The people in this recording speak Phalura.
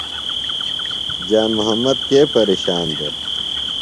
جان محمد کے پیرشان دےۡ؟